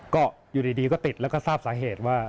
ก็อยู่ดีก็ติดแล้วก็ทราบสาเหตุว่า